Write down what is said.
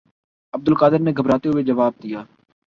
عبدالقادر نے گھبراتے ہوئے جواب دیا